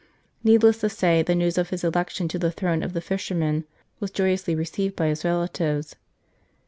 Needless to say, the news of his election to the Throne of the Fisherman was joyously received by his relatives.